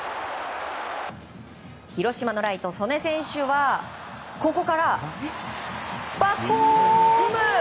広島のライト、曽根選手はここからバックホーム！